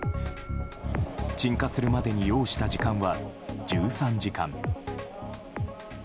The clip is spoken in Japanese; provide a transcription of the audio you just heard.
鎮火するまでに要した時間は１３時間。